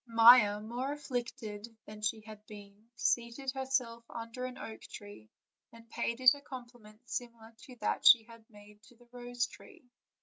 Maia, more afflicted than she had yet been, seated her self under an oak tree, and paid it a compliment similar to that she had made to the rose tree.